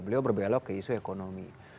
beliau berbelok ke isu ekonomi